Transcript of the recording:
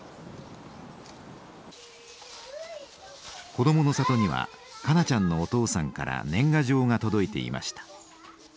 「こどもの里」には香菜ちゃんのお父さんから年賀状が届いていました。